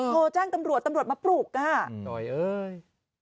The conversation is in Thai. โทรแจ้งตำรวจตำรวจมาปลุกอ่ะหน่อยเอ้ย